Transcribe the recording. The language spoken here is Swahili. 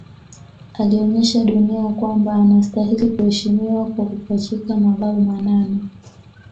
Alionyesha dunia kwamba anastahili kuheshimiwa kwa kupachika mabao manane